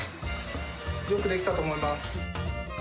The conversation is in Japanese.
よく出来たと思います。